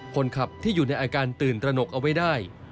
คนขับที่อยู่ในอาการตื่นตระหนกเอาไว้ได้